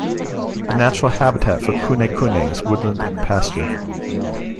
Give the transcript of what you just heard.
The natural habitat for kunekune is woodland and pasture.